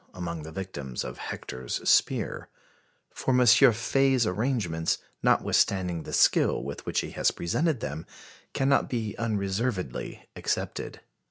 among the victims of Hector's spear. For M. Faye's arrangements, notwithstanding the skill with which he has presented them, cannot be unreservedly accepted.